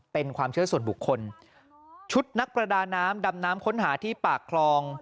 เป็นความเชื่อส่วนบุคคลชุดนักประดาน้ำดำน้ำค้นหาที่ปากคลอง